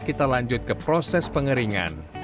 kita lanjut ke proses pengeringan